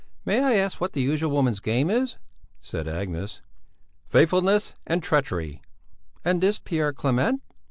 "May I ask what the usual woman's game is?" said Agnes. "Faithlessness and treachery!" "And this Pierre Clément?"